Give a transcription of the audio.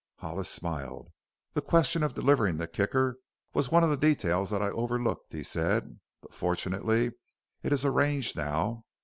Hollis smiled. "The question of delivering the Kicker was one of the details that I overlooked," he said. "But fortunately it is arranged now.